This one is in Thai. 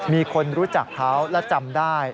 มีคนรู้จักเขาและจำได้